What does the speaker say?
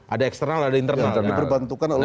ada eksternal ada internal